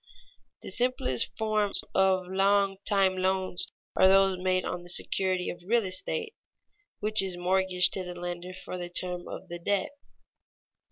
_ The simplest forms of long time loans are those made on the security of real estate, which is mortgaged to the lender for the term of the debt.